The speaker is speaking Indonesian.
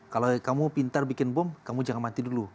kalau kamu pintar bikin bom kamu jangan mati dulu